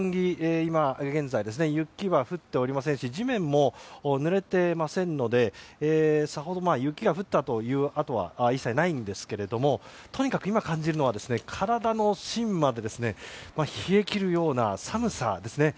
今現在、雪は降っておりませんし地面も濡れていませんのでさほど雪が降ったという跡は一切ないんですがとにかく今感じるのは体の芯まで冷え切るような寒さですね。